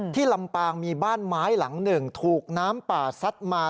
ลำปางมีบ้านไม้หลังหนึ่งถูกน้ำป่าซัดมา